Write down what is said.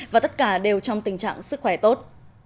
và tất cả đều trong tình trạng sức khỏe tốt